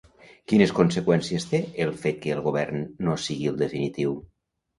Quines conseqüències té el fet que el govern no sigui el definitiu?